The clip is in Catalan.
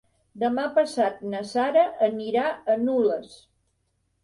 Demà passat na Sara anirà a Nulles.